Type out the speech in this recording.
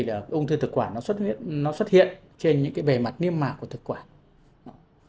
ông thư thực quản xuất hiện trên bề mặt niêm mạc của thực quản